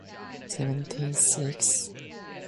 We played the benefits for Katrina relief.